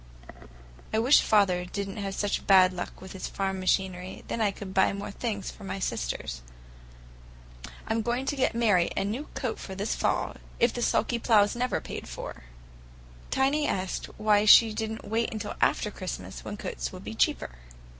I wish father did n't have such bad luck with his farm machinery; then I could buy more things for my sisters. I'm going to get Mary a new coat this fall, if the sulky plough's never paid for!" Tiny asked her why she did n't wait until after Christmas, when coats would be cheaper.